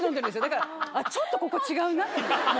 だからちょっとここ違うなって。